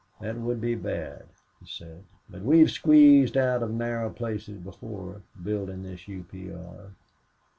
"That would be bad," he said. "But we've squeezed out of narrow places before, buildin' this U. P. R."